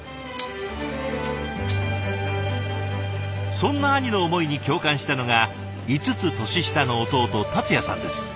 そんな兄の思いに共感したのが５つ年下の弟達也さんです。